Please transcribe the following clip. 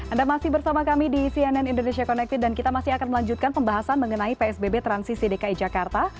anda masih bersama kami di cnn indonesia connected dan kita masih akan melanjutkan pembahasan mengenai psbb transisi dki jakarta